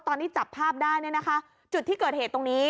ตอนที่จับภาพได้เนี่ยนะคะจุดที่เกิดเหตุตรงนี้